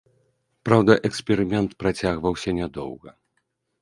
Праўда, эксперымент працягваўся нядоўга.